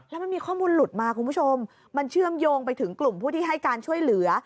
แล้วมันมีข้อมูลหลุดมาคุณผู้ชมมันเชื่อมโยงไปถึงกลุ่มผู้ที่ให้การช่วยเหลือ